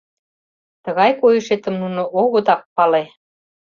— Тыгай койышетым нуно огытак пале...